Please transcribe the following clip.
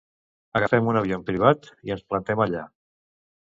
Agafem un avió privat i ens plantem allà.